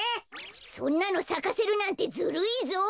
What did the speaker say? そんなのさかせるなんてずるいぞ！